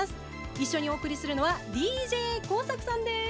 一緒にお送りするのはＤＪＫＯＵＳＡＫＵさんです！